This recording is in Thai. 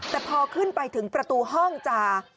แต่พอขึ้นไปถึงประตูห้องจะ